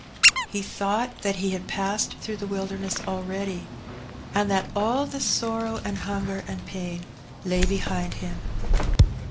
He thought that he had passed through the wilderness already, and that all the sorrow, and hunger, and pain lay behind him.